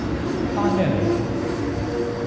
返咩嚟啊？